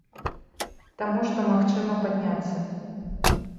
Таму што магчыма падняцца.